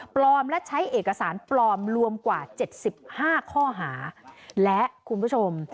ปลอมและใช้เอกสารปลอมรวมกว่าเจ็ดสิบห้าข้อหาและคุณผู้ชม